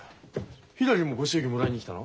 ひらりもご祝儀もらいに来たの？